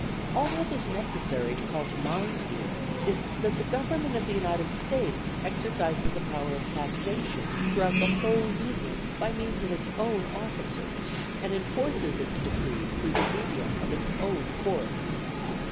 All that is necessary to call to mind here is, that the Government of the United States exercises a power of taxation throughout the whole Union by means of its own officers, and enforces its decrees through the medium of its own Courts.